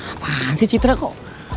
apaan sih citra kok